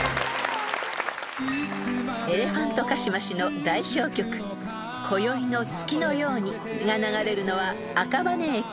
［エレファントカシマシの代表曲『今宵の月のように』が流れるのは赤羽駅］